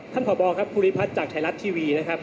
พบครับภูริพัฒน์จากไทยรัฐทีวีนะครับ